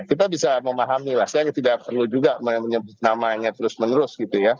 kita bisa memahami saya tidak perlu juga menyebut namanya terus menerus